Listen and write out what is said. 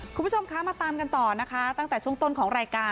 คุณผู้ชมคะมาตามกันต่อนะคะตั้งแต่ช่วงต้นของรายการ